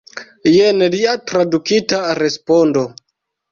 Jen lia tradukita respondo.